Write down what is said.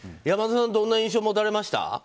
山田さん、どんな印象を持たれましたか。